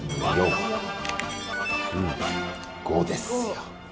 ５ですよ。